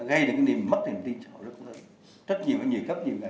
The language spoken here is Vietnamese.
gây đến niềm mất hình tin xã hội rất lớn trách nhiệm ở nhiều cấp nhiều ngành